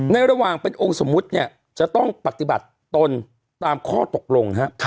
ระหว่างเป็นองค์สมมุติเนี่ยจะต้องปฏิบัติตนตามข้อตกลง